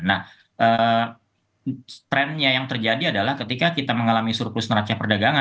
nah trendnya yang terjadi adalah ketika kita mengalami surplus neraca perdagangan